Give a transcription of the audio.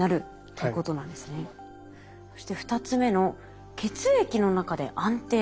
そして２つ目の「血液の中で安定」。